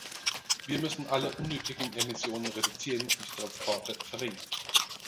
Wir müssen alle unnötigen Emissionen reduzieren und die Transporte verringern.